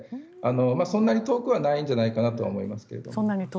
そんなに遠くはないんじゃないかと思います。